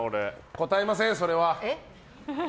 答えません、それは。